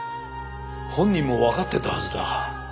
本人もわかっていたはずだ。